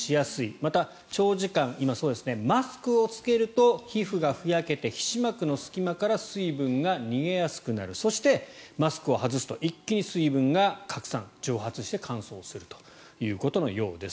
また長時間、今、そうですねマスクを着けると皮膚がふやけて皮脂膜の隙間から水分が逃げやすくなるそしてマスクを外すと一気に水分が拡散、蒸発して乾燥するということのようです。